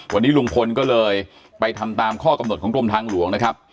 วันนี้ลุงพลก็เลยไปทำตามข้อกำหนดของกรมทางหลวงนะครับ